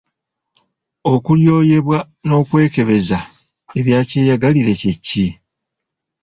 Okulyoyebwa n’okwekebeza ebya kyeyagalire kye ki?